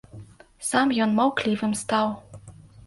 Сам ён маўклівым стаў.